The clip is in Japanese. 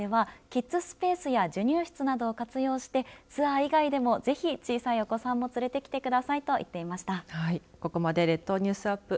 福岡市美術館ではキッズスペースや授乳室などを活用してツアーは以外でも小さなお子さんを連れてきてくださいと言っていました。